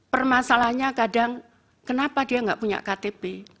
permasalahnya kadang kenapa dia enggak punya ktp